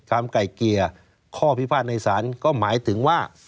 ไก่เกลี่ยข้อพิพาทในศาลก็หมายถึงว่า